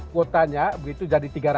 kuotanya begitu jadi tiga ratus